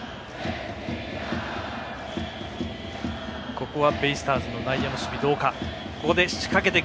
ここはベイスターズの内野の守備どうか。